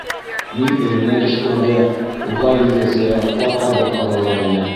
Мин эҙенә төшкәндә уға инде зыяратта ҡәбер ҡаҙалар ине.